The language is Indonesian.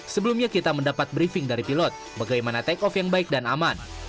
sebelumnya kita mendapat briefing dari pilot bagaimana take off yang baik dan aman